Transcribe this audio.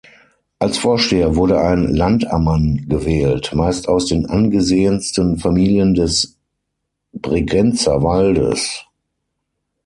Als Vorsteher wurde ein Landammann gewählt, meist aus den angesehensten Familien des Bregenzerwaldes.